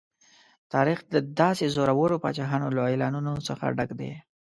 تاریخ د داسې زورورو پاچاهانو له اعلانونو څخه ډک دی.